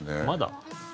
まだ？